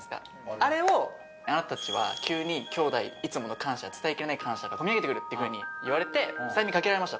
あれをあなたたちは急に兄弟いつもの感謝伝えきれない感謝がこみ上げてくるっていうふうに言われて催眠にかけられました